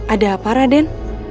ada apa raden